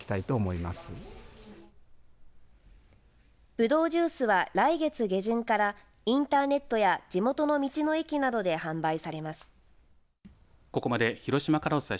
ぶどうジュースは来月下旬からインターネットや地元の道の駅などで販売されます。